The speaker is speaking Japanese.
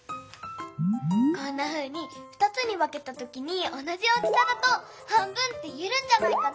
こんなふうに２つにわけたときにおなじ大きさだと半分っていえるんじゃないかな。